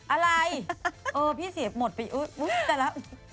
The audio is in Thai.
อะไรเออพี่ศรีหมดไปอุ๊ยแต่ละ